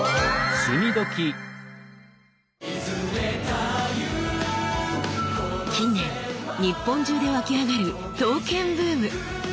近年日本中でわきあがる刀剣ブーム。